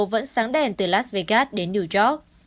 vẫn sáng đèn từ las vegas đến new york